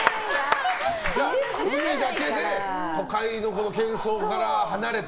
夫婦だけで都会の喧騒から離れて。